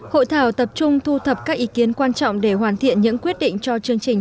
hội thảo tập trung thu thập các ý kiến quan trọng để hoàn thiện những quyết định cho chương trình